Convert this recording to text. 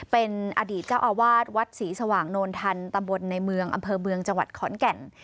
เป็นอดีตเจ้าอาวาสวัดศรีสว่างโนนทันตำบลในเมืองอำเภอเมืองจังหวัดขอนแก่น